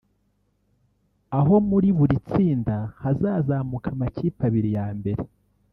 aho muri buri tsinda hazazamuka amakipe abiri ya mbere